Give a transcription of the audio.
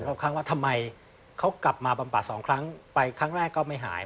ครั้งว่าทำไมเขากลับมาบำบัดสองครั้งไปครั้งแรกก็ไม่หาย